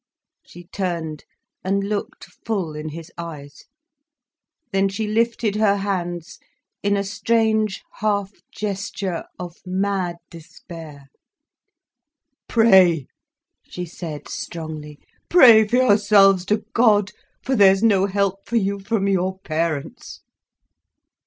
She turned and looked full in his eyes. Then she lifted her hands in a strange half gesture of mad despair. "Pray!" she said strongly. "Pray for yourselves to God, for there's no help for you from your parents."